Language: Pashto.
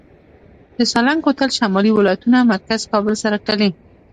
د سالنګ کوتل شمالي ولایتونه مرکز کابل سره تړي